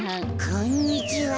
こんにちは。